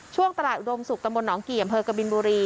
ช่วงตลาดอุดมศุกร์ตำบลหนองกี่อำเภอกบินบุรี